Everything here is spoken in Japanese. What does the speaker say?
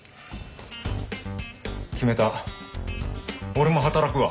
決めた俺も働くわ。